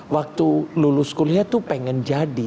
waktu lulus kuliah tuh pengen jadi